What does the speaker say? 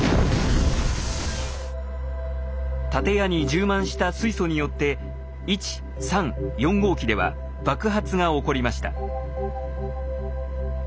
建屋に充満した水素によって１３４号機では爆発が起こりました。